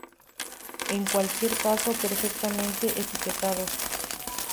En cualquier caso, perfectamente etiquetados.